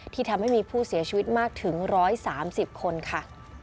ทำให้มีผู้เสียชีวิตมากถึง๑๓๐คนค่ะ